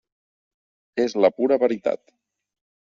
És la pura veritat.